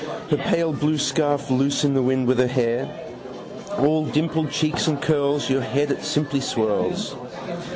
Her pale blue scarf loose in the wind with her hair. All dimpled cheeks and curls, Your head it simply swirls.